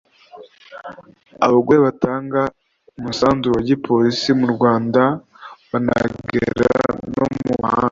Abagore batanga umusanzu wa gipolisi mu Rwanda banagera no mu mahanga